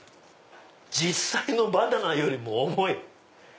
実際のバナナよりも重い。